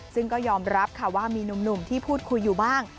ซึ่งก็ยอมรับค่ะว่ามีหนุ่มที่พูดคุยอยู่บ้าง